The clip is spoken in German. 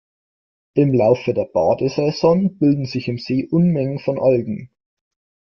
Im Laufe der Badesaison bilden sich im See Unmengen von Algen.